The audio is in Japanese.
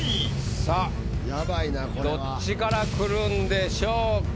さぁどっちからくるんでしょうか。